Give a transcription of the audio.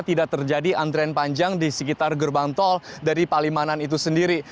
tidak terjadi antrian panjang di sekitar gerbang tol dari palimanan itu sendiri